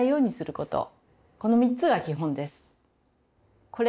この３つが基本です。